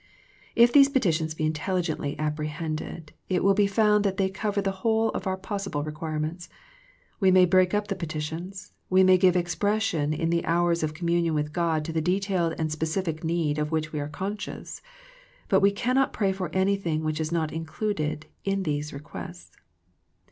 If these petitions be intelligently apprehended, it will be found that they cover the whole of our possible requirements. We may break up the petitions, we may give expression in the hours of communion with God to the detailed and specific need of which we are conscious, but we cannot pray for anything which is not included in these requests.